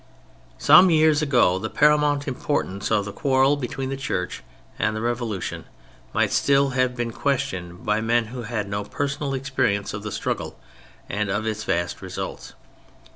Some years ago the paramount importance of the quarrel between the Church and the Revolution might still have been questioned by men who had no personal experience of the struggle, and of its vast results.